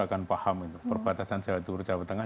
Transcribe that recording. akan paham itu perbatasan jawa tengah